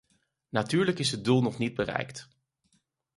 Natuurlijk is het doel nog niet bereikt.